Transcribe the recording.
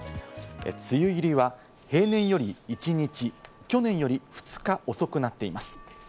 梅雨入りは平年より１日、去年より２日遅くなっています。